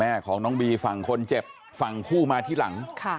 แม่ของน้องบีฝั่งคนเจ็บฝั่งคู่มาที่หลัง